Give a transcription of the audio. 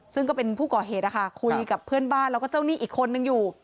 ซึ่งก็เป็นผู้ก่อเหตุนะคะคุยกับเพื่อนบ้านแล้วก็เจ้าหนี้อีกคนนึงอยู่